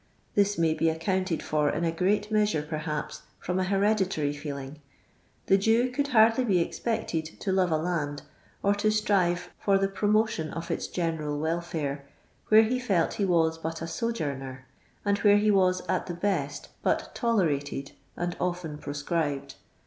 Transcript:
This may be ac counted for in a great measure, perhaps, fimm an hereditary feeling. The Jew could hardly be ex pected to love a land, or to strive for the promotion of ite general welfive, where he folt he was but a sojourner, and where he was at the best but tolerated and ofien proscribed.